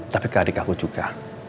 tapi ke adik aku juga